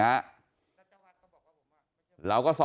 ใช่